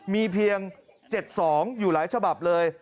มีเพียง๗๒อยู่หลายฉบับเลย